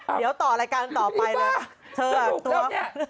เออเดี๋ยวต่อรักษณ์ต่อไปก่อน